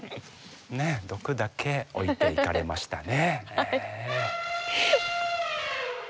ねえ毒だけ置いていかれましたね。